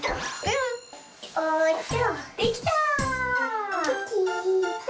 できた！